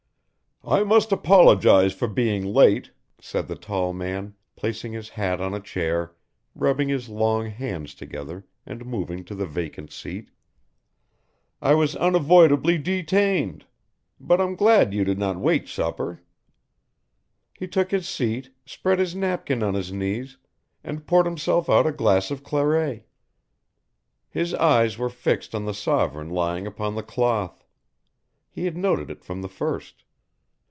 "I must apologise for being late," said the tall man, placing his hat on a chair, rubbing his long hands together and moving to the vacant seat. "I was unavoidably detained. But I'm glad you did not wait supper." He took his seat, spread his napkin on his knees, and poured himself out a glass of claret. His eyes were fixed on the sovereign lying upon the cloth. He had noted it from the first.